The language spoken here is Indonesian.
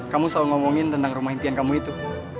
kamu selalu ngomongin tentang rumah impian kamu itu